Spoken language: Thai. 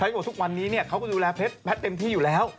แพทน์ก็บอกว่าทุกวันนี้เขาก็ดูแลแพทน์เต็มที่อยู่แล้ว